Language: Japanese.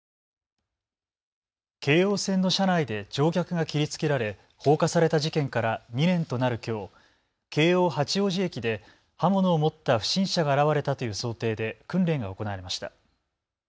京王線の車内で乗客が切りつけられ放火された事件から２年となるきょう京王八王子駅で刃物を持った不審者が現れたという想定で訓練が行われました。